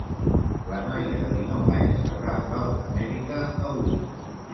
La noia de dinou anys rebrà l’alta mèdica avui.